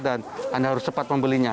dan anda harus cepat membelinya